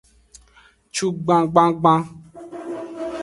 Cugban gbangban.